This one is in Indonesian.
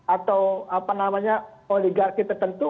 atau apa namanya oligarki tertentu